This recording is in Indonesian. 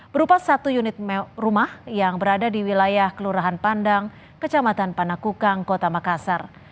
berupa satu unit rumah yang berada di wilayah kelurahan pandang kecamatan panakukang kota makassar